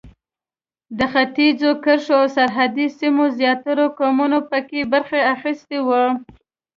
د ختیځو کرښو او سرحدي سیمو زیاترو قومونو په کې برخه اخیستې وه.